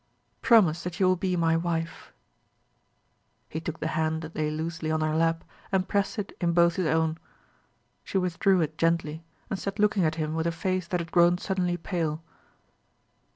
Promise that you will be my wife." He took the hand that lay loosely on her lap, and pressed it in both his own. She withdrew it gently, and sat looking at him with a face that had grown suddenly pale.